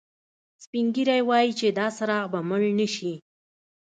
سپین ږیری وایي چې دا څراغ به مړ نه شي